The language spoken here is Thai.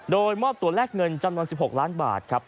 โดยมอบตัวแลกเงินจำนวน๑๖ล้านบาทครับ